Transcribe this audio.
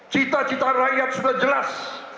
cita cita rakyat sudah jelas